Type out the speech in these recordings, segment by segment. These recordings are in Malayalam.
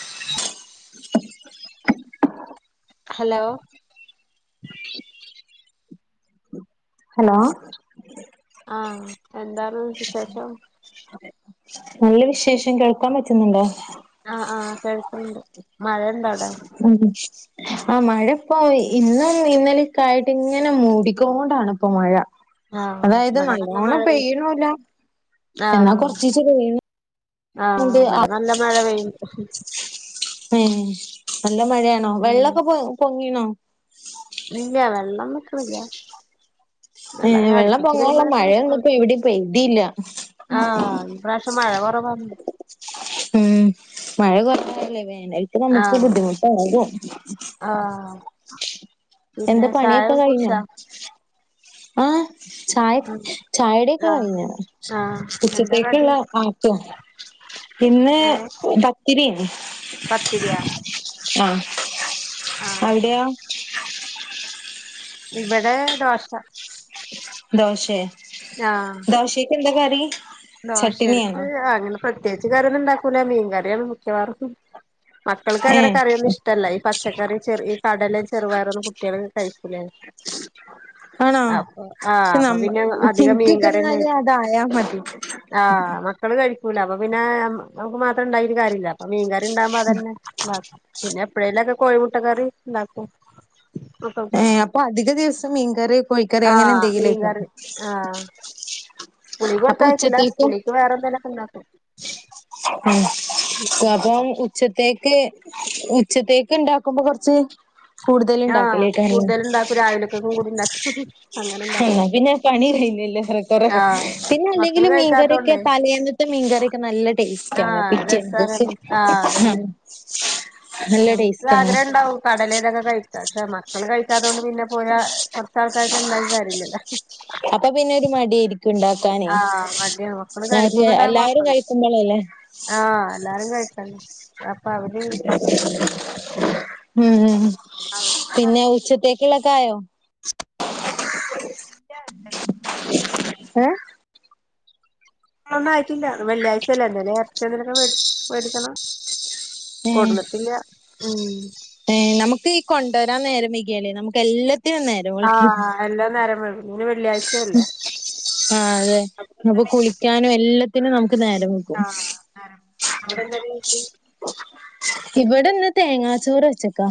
[inaudible] ഹലോ ഹലോ ആഹ് എന്താണ് വിശേഷം [inaudible] നല്ല വിശേഷം കേൾക്കാൻ പറ്റുന്നുണ്ടോ ആഹ് ആഹ് കേഴക്കണ്ട് മഴണ്ടവിടാ ഉം [inaudible] ആ മഴ ഇപ്പോ ഇന്നും ഇന്നലക്കായിട്ട് ഇങ്ങനെ മൂടിക്കോണ്ടാണിപ്പൊ മഴ ആഹ് അതായത് ഇവിടെ നല്ല മഴ നല്ലോണം പെയ്യ് പെയ്യണോല്ല എന്നാ ആഹ് കൊറച്ചീച്ച പെയ്യ ആഹ് അവിടെ നല്ല മഴ പെയ്യ ഏഹ് നല്ല മഴയാണോ ഉം വെള്ളൊക്കെ പൊ പൊങ്ങീണോ ഇല്ല വെള്ളം നിക്കണില്ല ഏഹ് അങ്ങനെ വെള്ളം അടുപ്പിച്ച് പൊങ്ങാനുള്ള പെയ്യുമ്പോഴൊക്കെ മഴയൊന്നും ഇപ്പോ ഇവിടെ പെയ്തിയില്ല ആഹ ഇപ്രാവശ്യം മഴ കുറവ ഉം മഴ കൊറല്ല വേന ഇത്ര നമുക്ക് ബുദ്ധിമുട്ട ആകും ആഹ പിന്നെ എന്താ ചായക്കെകുടിച്ച ആഹ ചായ ചായകുടിക്കെ ആഹ് കഴിഞ്ഞ ആഹ് എന്താ കടി ഉച്ചത്തേക്കുള്ള ആറ്റ പിന്നെ ഏഹ് കത്തിരി പത്തിരിയാ ആഹ ആഹ് അവിടെയാ ഇവിടെ ദോഷ ദോശേ ആഹ ദോശക് എന്താ കറി ദോശ എടുത്ത് ചട്ടിനിയാണോ അങ്ങനെ പ്രത്യേകി കാര്യൊന്നും ഇണ്ടാക്കൂല മീൻകറിയാണ് മിക്കവാറും മക്കൾക്ക് അങ്ങനെ ഏഹ് കറിയൊന്നും ഇഷ്ടമല്ല ഈ പച്ചക്കറി ചെറിയ കടലും ചെറുവാറൊന്നന്ന് കുട്ടികളൊക്കെ കഴിക്കൂല ആണോ അപ്പൊ ആഹ് പക്ഷെ അപ്പൊ നമ്മ പിന്നെ അധികം എനിക്കൊക്കെ മീൻകറിന്ത എന്നാല് അതായാ മതി ആഹ് മക്കള് കഴിക്കുല അപ്പൊ പിന്നെ നമുക്ക് മാത്രം ഉണ്ടായരു കാര്യമില്ല അ മീൻകറി ഇണ്ടാവുമ്പോതന്നൊക്ക പിന്നെ എപ്പഴേലും ഒക്കെ കോഴിമുട്ട കറി ഉണ്ടാക്കും ഏ മക്കൾക്ക് അപ്പൊ അധിക ദിവസം മീൻകറി കോഴിക്കറി അങ്ങനെ ആഹ് എന്തെങ്കിലുംക്ക മീൻകറി പുളി കൊടുത്തായിക്കൂല പുളിക്ക് വേറെന്തേലൊക്കെ ഉണ്ടാക്കും [inaudible] ഉ അ അപ്പം ഉച്ചത്തേക്ക് ഉച്ചത്തേക്ക് ഉണ്ടാക്കുമ്പോൾ കുറച്ച് കൂടുതല ആഹ് ഉണ്ടാക്കലേക്ക എന്നന്നെ കൂടുതലുണ്ടാക്കും രാവിലക്കക്കും കൂടി ഉണ്ടാക്കും അങ്ങനെ ഉണ്ടാക്കും എന്നാ പിന്നെ പണിറിയില്ലല്ലേ കൊറെ ആഹ് പിന്നെ മക്കള് അല്ലെങ്കിലും മീൻകറിയൊക്കെ കഴിക്കാത്തോണ്ടേ തലേന്നത്തെ മീൻകറിയൊക്കെ നല്ല ടേസ്റ്റ് ആണ് ആഹ പിറ്റേന്ന് രസന ദിവസം ആഹ് അതല്ലേ ഉം നല്ല നമുക്ക് ടേസ്റ്റ് ആണ് ആഗ്രഹ ഉണ്ടാവും കടലേതൊക്കെ കഴിക്ക പക്ഷെ മക്കൾ കഴിക്കാതുകണ്ട് പിന്നെ പോയാ കുറച്ച ആൾക്കാക്ക ഉണ്ടാക്ക കാര്യില്ലല്ലോ അപ്പൊ പിന്നെ ഒരു മടിയായിരിക്കുണ്ട ന ആഹ് മടിയാണ് മക്കള് [unintelligible] എല്ലാരും കഴിക്കുമ്പോള അല്ലേ ആഹ എല്ലാരും കഴിക്കല്ല അപ്പൊ അവര് ഉ അവിടെന്താ കറി പിന്നെ ഉച്ചത്തേക്കുള്ളക്കയോ ഇല്ല ഉച്ചകഴി ആഏ ഒന്നും ആയിട്ടില്ല വെള്ളിയാഴ്ച അല്ല എ ഇറച്ച എന്തിനൊക്കെേ മേടിക്കണം ഏഹ് കൊടുന്നിട്ടില്ല ഉം നമുക്ക് ഈ കൊണ്ടുവരാൻ നേരം മികയല്ലേ നമുക്ക് എല്ലത്തിനും നേരം ആഹ എല്ലാം നേരം വൈക്കും ആ അതെ അപ്പൊ നപ്പൊ പിന്നെ കുളിക്കാനും എല്ലാത്തിനും നമുക്ക് നേരം ആഹ് അന്നേരം ആ അവിടെ എന്തായാലും ഇവിടെന്ന് തേങ്ങാച്ചോറ് വച്ചക്കാ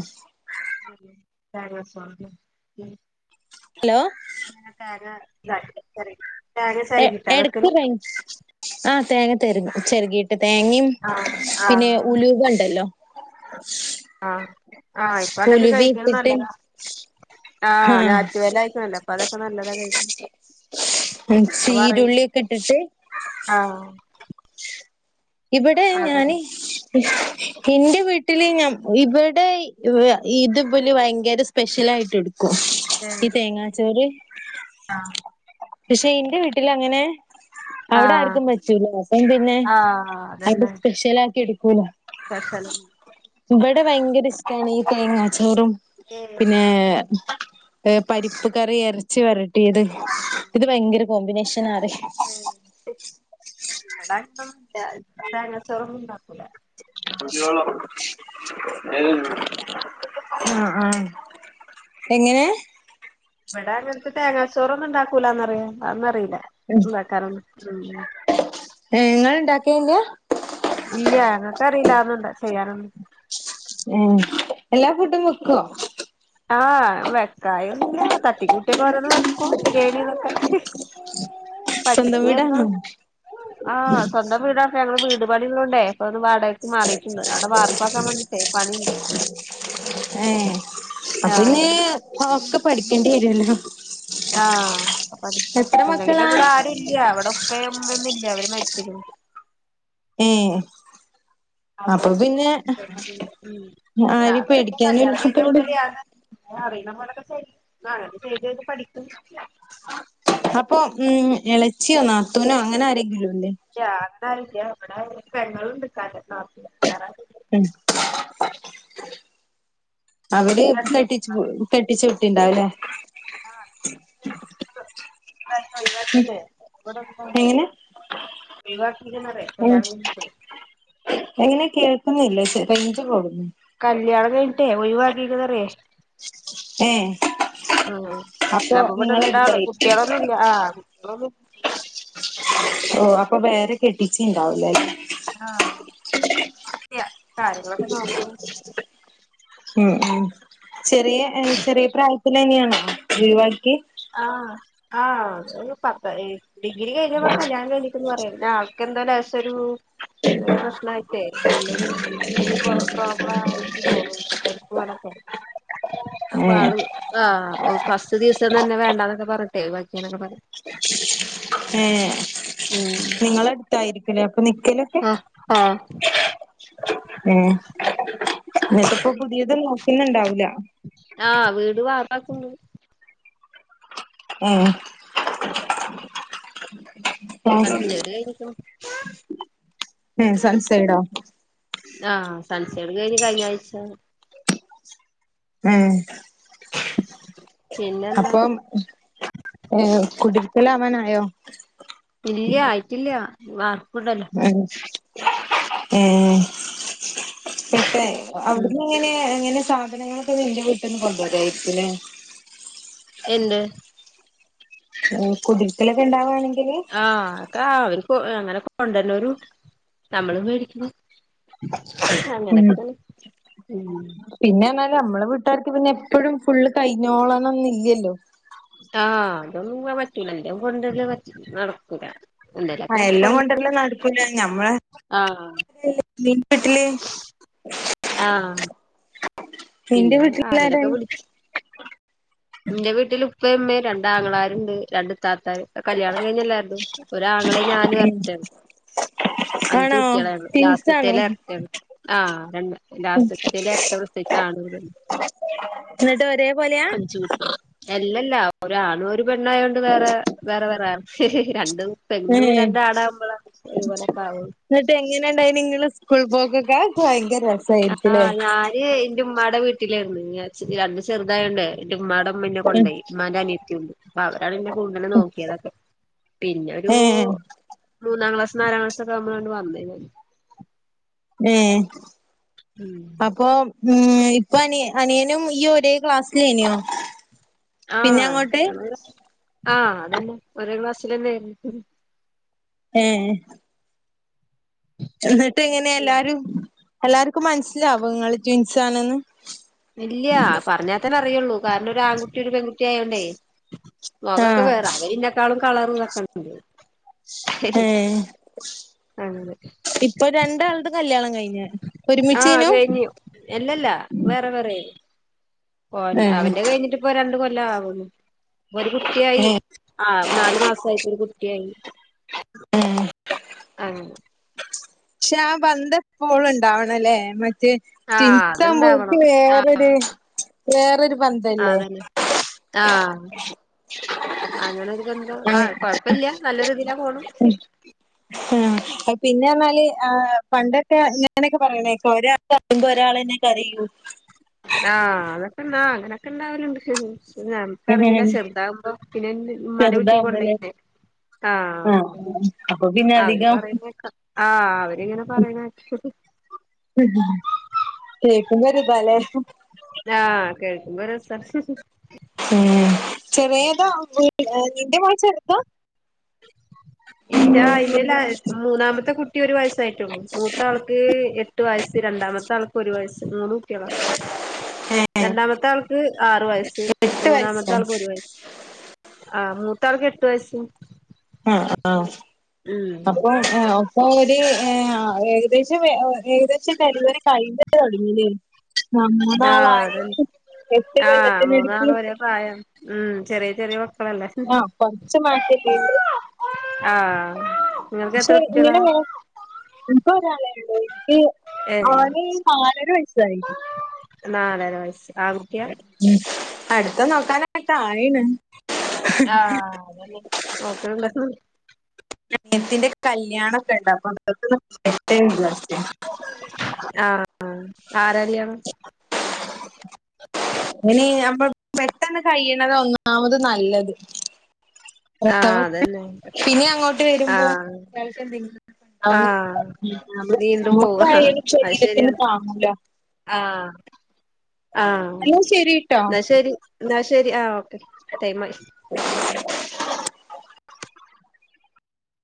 തേങ്ങ ചോറ് ഹലോ അങ്ങനക്ക ആരി എടക്ക് തേ ആ തേങ്ങ തെര ചെറുകിയിട്ട് തേങ്ങയും ആഹ് പിന്നെ ആഹ് ഉലുക ഉണ്ടല്ലോ ആഹ ആഹ ഇപ്പൊ അതൊക്കെ ഉലുവ കഴിക്ക ഇട്ടിട്ട് നല്ലത ആഹ ആ ഞാറ്റുവല ആയിക്കുന്നല്ലോ അപ്പൊ അതൊക്കെ നല്ലതാ കഴിക്കും അ പറ ചീരുള്ളിയൊക്കെ ഇട്ടിട്ട് ആഹ ഇവിടെ ഞാന് അതന്നെ എന്റെ വീട്ടില് ഞാൻ ഇവിടെ ഇത്പലി ഭയങ്കര സ്പെഷ്യൽ ആയിട്ട് എടുക്കും ഏഹ് ഈ തേങ്ങാച്ചോറ് ആഹ് പക്ഷെ എന്റെ വീട്ടിൽ അങ്ങനെ അവിടെ ആർക്കും പറ്റൂല അപ്പം പിന്നെ ആഹ അ സ്പെഷ്യല ആക്കി എടുക്കൂല സ്പെഷ്യലന്നെ ഇവിടെ ഭയങ്കര ഇഷ്ടമാണ് ഈ തേങ്ങാച്ചോറും ഏഹ് പിന്നെ പരിപ്പ് കറി ഇറച്ചി വരട്ടിയത് അത് ശരി ആഹ് ഇത് ഭയങ്കര കോമ്പിനേഷനാ റിം [inaudible] തേങ്ങാചോറൊന്നും ണ്ടാക്കൂല അള ആ ആ എങ്ങനെ ഇവിടെ അങ്ങനത്തെ തേങ്ങാച്ചോറ ഒന്നും ഇണ്ടാക്കൂലന്നറിയ അന്ന അറിയില്ല എന്താക്കാ ഉ നിങ്ങൽ ഇണ്ടാകേല ഇല്ല ങ്ങക്ക അറിയില്ല അതൊന്നും ചെയ്യാനൊന്നും ഉം എല്ലാ ഫുഡും വെക്കുവോ ആഹ വെക്കായൊന്നുംഇല്ല തട്ടിക്കൂട്ടിയക്ക ഓരോന്ന് വെക്കും ബിരിയാണിന്നൊക്കെ സ്വന്തം വിടാണോ ആഹ് സ്വന്തം വീടാ ഞങ്ങള്ൾ വീട്പാണിള്ളോണ്ടേ അപ്പൊത് വടകക്കെ മാറിയിട്ടുണ്ട് അവിടെ വാർപ്പാക്കാൻ വേണ്ടിട്ട പണി ഏ അപ്പൊ ആഹ് ന്നി ഒക്കെ പഠിക്കേണ്ടിവരോലോ ആഹ അപ്പ ഇല്ലെങ്കിലും മക്കളാ ഇവിട ആരൂല്യ ഇവടെ ഉപ്പിമ് ഉമ്മ്യും ഒന്നൂല്യ അവര് മരിച്ചിക്ക്ണ് എ അതെ ഉ ആ ആരിം അതക്കെ പേടിക്കാനും കല്യാണം കഴിഞ്ഞ ഇല്ലാത്തോണ്ട് മുതല് ഞാന് അറീണ പോലൊക്കെ ചെയ്ത് ചെയ്ത് പടിക്ക് അപ്പൊ ഉം ഇളച്ചിയോ നാത്തൂനോ അങ്ങനെ ആരെങ്കിലുംല്ലേ ഇല്ല അടനെ ആരുമല്ല ഇവിടെ പെങ്ങളുണ്ട് ഇക്കാക്ക താത്ത വേറെ ആരും ഉ അവിടെ രണ്ട് നട്ടി കെ ട്ടിച്ചു വിട്ടിണ്ടാവല്ലേ ഉം ഴത്തിട്ടേ ഇവിടെന്താ എങ്ങനെ ഒഴിവാക്കീന്നുപറയാ ഉം കല്യാണം കഴിച്ചിട്ട് എങ്ങനെ കേൾക്കുന്നില്ലേ റേഞ്ച് പോവുന്നു കല്യാണം കഴിഞ്ഞിട്ടേ ഒഴിവാക്കീന്നറിയ ഏഹ് ആഹ് അപ്പ ഇവിടട്ടാള് കുട്ട്യാളൊന്നും ഇല്ല ആഹ് ഓഹ് അപ്പൊ വേറെ കെട്ടിച്ചീണ്ടാവുലേ ആഹ് യ്യാ ഉം ഉം ചെറിയ എ ചെറിയ പ്രായത് ത്തില്ലെന്നേണോ ഒഴിവാക്ക്യ ആഹ് ആഹ് ഒരു പത്തഏ ഡിഗ്രി കഴഞ്ഞപാട് കല്യാണം കയിഞ്ഞ് പറയണ്ടാ ആൾക്കെന്തോ ലെശോരു പ്രശ്നായിട്ടേ എന്തൊരു ഇതില് പ്രോ പ്രോബ്ലം ആയിട്ട് തോന്നും പരിപ്പ് പോലെത്തെ അപ്പ ഏഹ് ആള് ആഹ് ഓക്ക് ഫസ്റ്റ് ദിവസം തന്നെ വേണ്ടാന്നൊക്കെ പറഞ്ഞിട്ടെ വെക്കന്നൊക്കെ പറഞ് ഏഹ് ഉം നിങ്ങളട്ത്തായിരിക്കുലേ അപ്പൊ നിക്കല് ആഹ് ആഹ് എഹ് ന്നിട്ട് ഇപ്പൊ പുതിയത് നോകിന്ന്ണ്ടാവൂല ആഹ് വീട് വാർപ്പാക്കു ഏ... പ്ലാസ്റ്റിക്ക് സൺസൈഡ് കഴിഞ്ഞിക്ക്ണ് [inaudible] ഏഹ് സൺസൈഡോ ആഹ് സൺസൈഡ് കഴിഞ്ഞു കഴിഞ്ഞാഴ്ച ഏഹ് [inaudible] പിന്നെന്താ അപ്പം ഏഹ്കുടിരിക്കല് ആവാനായോ ഇല്ല്യ ആയിട്ടില്ല വാർപ്പ്ണ്ടല്ലോ അൻ ഏഹ് പെൻ ഏഹ് ഉം അവിടുന്ന് എങ്ങനെ എങ്ങനെ സാധനങ്ങളൊക്കെ നിന്റെ വീട്ടിന്ന് കൊണ്ടരായിരിക്കുംലേ എന്ത് കുടിര്ക്കല്കെ ഇണ്ടവാണെങ്കില് ആഹ് ക്കെ അവര്ക്കൊ അങ്ങനെ കൊണ്ടര്ന്നോരു ണ്ട് നമ്മള് മേടിക്കുന്ന് അ അങ്ങനൊക്കെതന്നെ ഉം പിന്നെർഞാല് നമ്മളെ വീട്ടാർക്ക് പിന്നെ എപ്പഴും ഫുള്ള് കൈഞ്ഞോളണംന്നില്ലല്ലോ ആഹ് അതൊന്നും പറ്റൂല. ഇന്റെ കൊണ്ടര്ല് നടക്കൂല എന്തേലൊക്കെ ആഹ് എല്ലം കൊട് കൊണ്ടര്ല് നടക്കുല്ല. ഞമ്മളെ ആഹ് നിന്റെ വീട്ടില് ആഹ് നിന്റെ വീട്ടിൽ ആര [unintelligible] ന്റെ വീട്ടില് ഉപ്പേ മ്മേ രണ്ട്അങ്ങളര് ണ്ട് രണ്ട് ഇത്തത്താര് കല്യയാണം കഴിഞ്ഞ് എല്ലാര്തും ഒരാങ്ങളീം ഞാനും എര്ട്ടേണ് അഞ്ചു ആണോ കുട്യളാണ് ട്വിൻസാണോ? ലാസ്റ്റ്ത്തെല് എരട്ടേണ് ആഹ് രണ്ട് ലാസ്റ്റ്ത്തേല് എര്റ്റ പ്രസവി ഒരാൺ കൂടെണ്ട് എന്നിട്ട് ഒരേ പോലെയാ? അഞ്ച് കുട്ട്യാള് എല്ലല്ല ഒരാണും ഒരു പെണ്ണുആയോണ്ട് വേറെ വേറെ വേറെ രണ്ടും പെണ്ണു ഏഹ് രണ്ടാആണആകുമ്പളാ ഒരുപോലൊക്കെ ആകുളൂ ന്നട്ട് എങ്ങനെണ്ടായിനി ങ്ങളെ സ്കൂൾ പോക്കക്കെ. അക്കെ വയങ്കര രസായിരിക്കുല്ലേ ഏയ്‌ ന്റെ ഉമ്മാടെ വീട്ടിലാരുന്നു രണ്ടണ്ട് ചെറുതായോണ്ട് ന്റെ ഇമ്മമാടെമ്മന്നെ കൊണ്ടയി. മ്മാൻ്റെ അനിയത്ത്യുണ്ട്. പ്പ അവരാണ്നെ കൂട്തല് നോക്കിയതൊക്കെ പിന്നെരു ഏ മൂന്നെരു മൂന്നാം ക്ലാസ് നാലാം ക്ലാസ്സ് ഒക്കെആകുമ്പള വന്നെ ഏഹ് ഉം അപ്പൊ ഉം ഇപ്പ അനി അനിയനും ഇയ്യും ഒരേ ക്ലാസ്സിലേനിയോ? പിന്നെ അങ്ങോട്ട് ആഹ് ആഹ് അതന്നെ ഓരേ ക്ലാസ്സിലന്നെ എ ആയ്ര്ന്ന് ഏഹ് എന്നിട്ട് ങ്ങനെ എല്ലാരും എല്ലാര് ക്കും മനസ്സിലാവോ ങ്ങള് ട്വിൻസാണ്ന്ന് ഇല്ലാ പറഞ്ഞാ തന്നെ അറിയുള്ളൂ കാരണം ഒരു ആൺകുട്ടി ഒരു പെൺകുട്ടി ആയോണ്ടേ ആ മോഖൊക്കെ വേറെ അവരിന്ക്കാളും കളറും തക്കണ്ട് ഏഹ് അങ്ങനെ ഇപ്പൊ രണ്ടാള്ത് കല്യാണം കഴിഞ്ഞ് ആ ഒരുമിച്ചേനു കെഴിഞ്ഞു എല്ലല്ലാ വേറെ വേറെനി ഓ ഏ അവന്റെ കഴിഞ്ഞിട്ട് ഇപ്പൊ രണ്ട് കൊല്ലം ആവുന്നു. ഇപ്പൊ ഒരു കുട്ട്യായി ഏ ആ നാലു മാസായിട്ട് ഒരുകുട്ടിയായി ഏ ആ ക്ഷ ആഹ് ബന്തം പോളും ഇണ്ടാവണല്ലേ മറ്റേ ആഹ് ട്വിൻസാകുമ്പോ ഓര്ക്ക് അത്ണ്ടാവണം വേറൊര് വേറൊരു ബന്ധ ആഹ് ആതന്നെ ആഹ് അങ്ങനെ ഒരുതെന്തോ ആ കൊഴപ്പല്ല്യ. നല്ലൊരു ഇതിലാ പോണ് ഉം അത് പിന്നെർഞാല് ആഹ് പണ്ടൊക്കെ ഇങ്ങനെയൊക്കെ പറയണേക്ക ഒരാളറിയുമ്പോ ഒരാളന്നെകരിയൂ ആഹാ അതൊക്കെന്നാ അങ്ങനൊക്കെ ഇണ്ടാവല്ണ്ട്, ആഹാ ആഹാ.. ! ച്ചറീല ചെറുതാകുമ്പോ പിന്നെന്നെ- മ്മാന്റെ വീട്ടീ ചെറുതാവുമ്പല്ലേ കൊണ്ടോയിലെ. ആഹ് ആ അപ്പൊ പിന്നെ അവര് അധികം പറയുന്നേക്ക ആഹ് അവരിങ്ങനെ പറയണേ കേക്ക് ബോര് താലേ ആഹ് കേൾക്കുമ്പോ രസാ ചെറിയതാ നിന്റെ പോലെ ചെറ്ത ഇന്റെ ആയ്ന്റെ ലെ മൂന്നാമത്തെ കുട്ടി ഒരു വയസ്സായിറ്റൊ ള്ളൂ മൂത്ത ആൾക്ക് എ ട്ട് വയസ് രണ്ടാമത്തെ ആൾക് ഒരു വയസ് മൂന്ന് കുട്യളാ എ രണ്ടാമത്തെ ആൾക്ക് ആറു വയസ്സ്, എട്ട് മൂന്നാമത്തെ വയസ്സോ ആൾക്ക് ഒരു വയസ്സ്. ആഹാ മൂത്താൾക്ക് എട്ട് വയസ്സ്. ആഹാ ആഹാ... ! ഉം അപ്പോ അപ്പോ ഒര് ഹാ ഏകദേശം, ഏകദേശം ഡെലിവറി കഴിഞ്ഞട്ട് തുടങ്ങിണ്. ആഹ് ആഹ് മൂന്നാളായി അതന്നെ എട്ട് ആഹ് കൊല്ലത്തിനെടക്ക് മൂന്നാളും ഒരേ പ്രായം ഉം ചെറിയ ചെറിയ മക്കളല്ലേ. ആഹാ കൊർച്ച് മാറ്റല്ലെ ഉള്ളൂ. ആഹാ.. ! പക്ഷെ ഇങ്ങിനെന്നെ, ഇൻക് ഒരാളെ ഉള്ളുയ്. വ് ഏഹ് ഓന് നാലര വയസ്സായി നാലര വയസ്. അടുത്തത് നോക്കാനോക്കായിണ്. ആഹ് അതന്നെ നോക്ക്ണ്ടോ ഹ് ന്റെ അനിയത്തിന്റെ കല്യാണൊക്കെണ്ട് അപ്പൊ അതൊക്കെയൊന്ന് കയ്യട്ടെന്ന് [inaudible] ആഹാ ആഹാ ആര കല്യാണം? [inaudible] അയ്ന് [inaudible] പെട്ടെന്ന് കൈയ്ണതാ ഒന്നാമത് നല്ലത് ആഹാ അതെന്നെ പിന്നെ പെട്ടെന്ന് അങ്ങോട്ട് വരുമ്പോ ആഹാ.. അത്യാവശ്യം എന്തെങ്കിലും ! ആഹാ ഉണ്ടാവുന്ന നീണ്ടു പോവാ ഹാ.. നമ്മക്കായാലും ഹാ... അത് ശരീരത്തിന് ശരിയാണ്. താങ്ങൂല ആഹാ ആഹാ എന്നാ ശരിട്ടോ ന്നാ ശരി! ന്നാ ശരി ആഹാ ഓക്കെ ടൈമായി! [unintelligible]